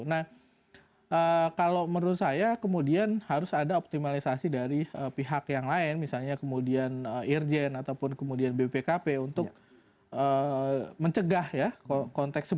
nah kalau menurut saya kemudian harus ada optimalisasi dari pihak yang lain misalnya kemudian irjen ataupun kemudian bpkp untuk mencegah ya konteksnya